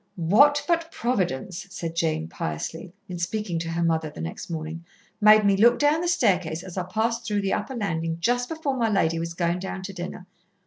"What but Providence," said Jane piously, in speaking to her mother the next morning, "made me look down the staircase as I passed through the upper landing just before my lady was going down to dinner.